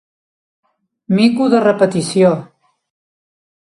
Mico de repetició.